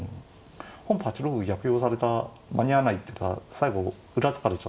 本譜８六歩逆用された間に合わないっていうか最後裏つかれちゃ。